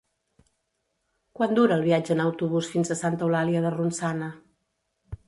Quant dura el viatge en autobús fins a Santa Eulàlia de Ronçana?